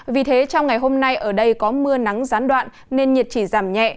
vì thế trong ngày hôm nay ở đây có mưa nắng gián đoạn nên nhiệt chỉ giảm nhẹ